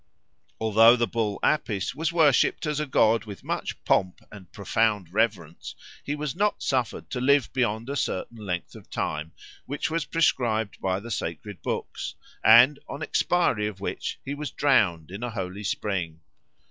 Although the bull Apis was worshipped as a god with much pomp and profound reverence, he was not suffered to live beyond a certain length of time which was prescribed by the sacred books, and on the expiry of which he was drowned in a holy spring.